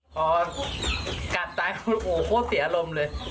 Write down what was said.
พอกัดตายโอ้โฮเสียอารมณ์เลย